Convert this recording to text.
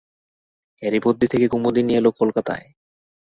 এরই মধ্যে থেকে কুমুদিনী এল কলকাতায়।